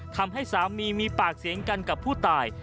ทำให้สามีมีปากเสียงกันกับผู้ตาย